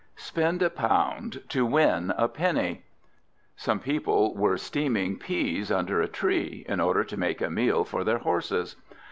SPEND A POUND TO WIN A PENNY Some people were steaming peas under a tree, in order to make a meal for their horses.